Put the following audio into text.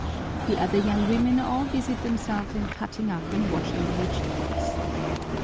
The other young women all busied themselves in cutting up and washing the vegetables.